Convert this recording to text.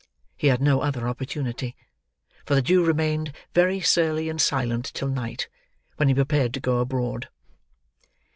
He had no other opportunity: for the Jew remained very surly and silent till night: when he prepared to go abroad.